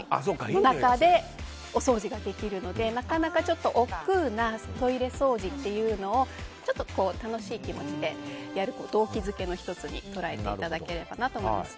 その中でお掃除ができるのでなかなか、おっくうなトイレ掃除というのをちょっと楽しい気持ちでやる動機づけの１つに捉えていただければと思います。